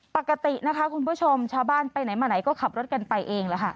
ปกตินะคะคุณผู้ชมชาวบ้านไปไหนมาไหนก็ขับรถกันไปเองแล้วค่ะ